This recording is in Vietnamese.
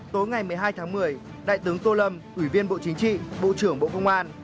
tối ngày một mươi hai tháng một mươi đại tướng tô lâm ủy viên bộ chính trị bộ trưởng bộ công an